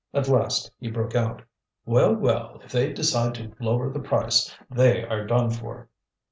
At last he broke out: "Well, well! if they decide to lower the price they are done for."